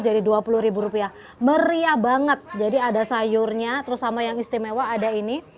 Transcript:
jadi dua puluh rupiah meriah banget jadi ada sayurnya terus sama yang istimewa ada ini